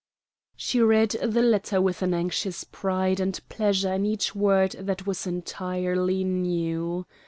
She read the letter with an anxious pride and pleasure in each word that was entirely new.